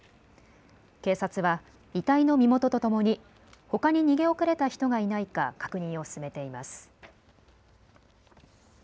警察は遺体の身元とともにほかに逃げ遅れた人がいないか確認を進めています。